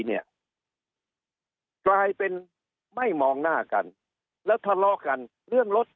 เนี่ยกลายเป็นไม่มองหน้ากันแล้วทะเลาะกันเรื่องรถ